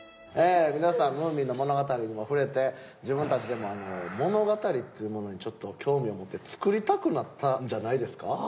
皆さん『ムーミン』の物語にも触れて自分たちでも物語っていうものにちょっと興味を持って作りたくなったんじゃないですか？